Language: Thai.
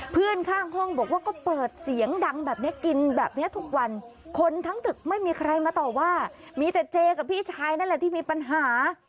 เพื่อนข้างห้องบอกว่าก็เปิดเสียงดังแบบนี้กินแบบนี้ทุกวันคนทั้งตึกไม่มีใครมาต่อว่ามีแต่เจกับพี่ชายนั่นแหละที่มีปัญหา